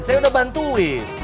saya udah bantuin